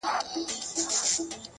يمه دي غلام سترگي راواړوه _